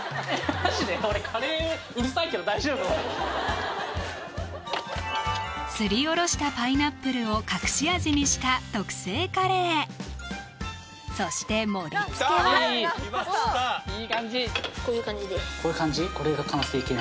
マジで⁉すりおろしたパイナップルを隠し味にした特製カレーそして盛りつけはこういう感じ？